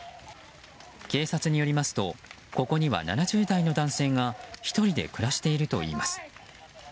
警察によりますとここには７０代の男性が１人で暮らしているといいます。